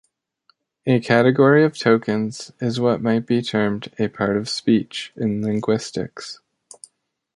A category of tokens is what might be termed a part-of-speech in linguistics.